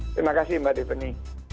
terima kasih mbak dipeni